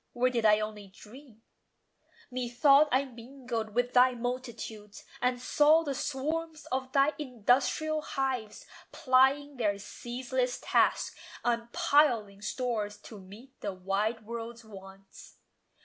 Or did I only dream? Methought I mingled with thy multitudes, And saw the swarms of thy industrial hives Plying their ceaseless task, and piling stores To meet the wide world's wants.